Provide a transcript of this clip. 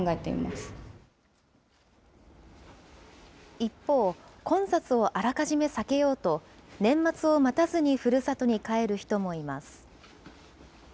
一方、混雑をあらかじめ避けようと、年末を待たずにふるさとに帰る人もいます。